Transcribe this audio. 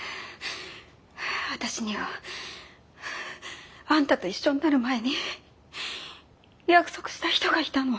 私にはあんたと一緒になる前に約束した人がいたの。